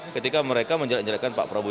ketika mereka menjelat jelatkan pak prabowo